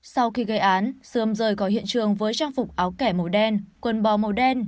sau khi gây án sườm rời khỏi hiện trường với trang phục áo kẻ màu đen quần bò màu đen